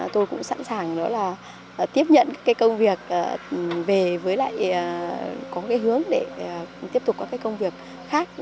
tôi cũng sẵn sàng đó là tiếp nhận cái công việc về với lại có cái hướng để tiếp tục có cái công việc khác